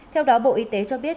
theo đó bộ y tế cho biết